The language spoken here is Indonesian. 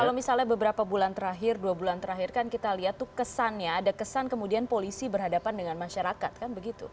kalau misalnya beberapa bulan terakhir dua bulan terakhir kan kita lihat tuh kesannya ada kesan kemudian polisi berhadapan dengan masyarakat kan begitu